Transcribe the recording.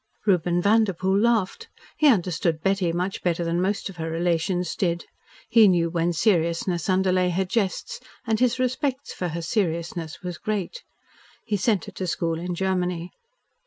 Reuben Vanderpoel laughed. He understood Betty much better than most of her relations did. He knew when seriousness underlay her jests and his respect for her seriousness was great. He sent her to school in Germany.